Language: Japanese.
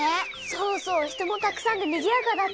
そうそう人もたくさんでにぎやかだった。